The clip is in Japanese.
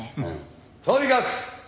とにかく！